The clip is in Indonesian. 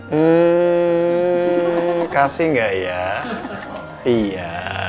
hmm kasih enggak ya iya